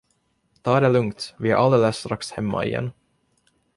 Ta det lugnt, vi är alldeles strax hemma igen.